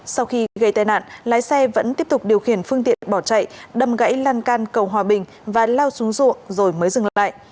sau khi gây tai nạn lái xe vẫn tiếp tục điều khiển phương tiện bỏ chạy đâm gãy lan can cầu hòa bình và lao xuống ruộng rồi mới dừng lại